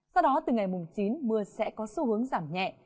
sau đó từ ngày mùng chín mưa sẽ có xu hướng giảm nhẹ